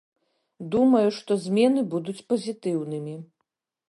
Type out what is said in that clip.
Думаю, што змены будуць пазітыўнымі.